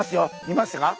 見ましたか？